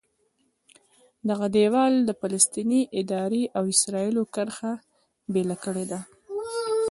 دغه دیوال د فلسطیني ادارې او اسرایلو کرښه بېله کړې ده.